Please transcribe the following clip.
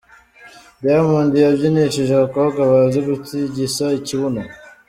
Diamond yabyinishije abakobwa bazi gutigisa ikibuno.